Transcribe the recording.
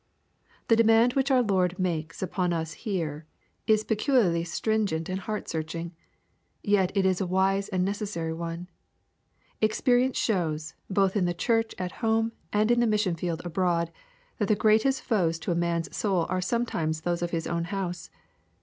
The demand which our Lord makes upon us here is peculiarly stringent and heart searching. Yet it is a wise and a necessary one. Experience shows, both in the church at home, and in the mission field abroad, that the greatest foes to a man's soul are sometimes those of his own house.